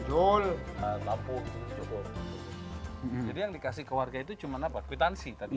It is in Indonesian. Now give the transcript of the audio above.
jadi yang dikasih ke warga itu cuma apa kuitansi tadi